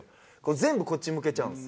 全部こっち向けちゃうんです。